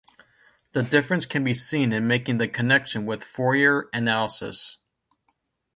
The difference can be seen in making the connection with Fourier analysis.